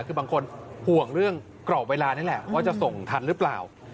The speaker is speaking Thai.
คือบางคนห่วงเรื่องกรอบเวลานี่แหละว่าจะส่งทันหรือเปล่า